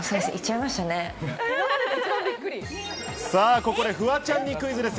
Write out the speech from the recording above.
ここでフワちゃんにクイズです。